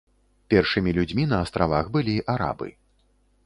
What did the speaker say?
Першымі людзьмі на астравах былі арабы.